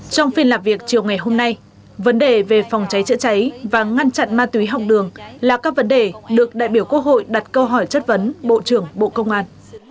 trong phiên lạc việc chiều ngày hôm nay vấn đề về phòng cháy chữa cháy và ngăn chặn ma túy học đường là các vấn đề được đại biểu quốc hội đặt câu hỏi chất vấn bộ trưởng bộ công an